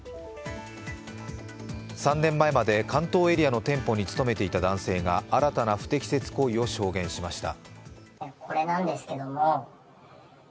３年前まで関東エリアの店舗に勤めていた男性が新たな不適切行為を証言しました。